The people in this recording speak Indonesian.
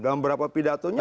dalam berapa pidatonya